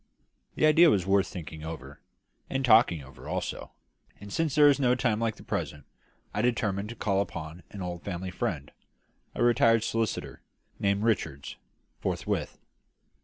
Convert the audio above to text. The idea was worth thinking over, and talking over also; and, since there is no time like the present, I determined to call upon an old family friend a retired solicitor, named Richards forthwith.